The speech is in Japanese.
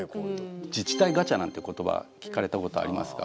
自治体ガチャなんていう言葉聞かれたことありますか。